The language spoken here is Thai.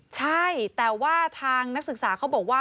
ใช่แต่ว่าทางนักศึกษาเขาบอกว่า